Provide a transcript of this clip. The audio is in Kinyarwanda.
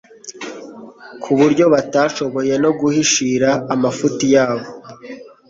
ku buryo batashoboye no guhishira amafuti yabo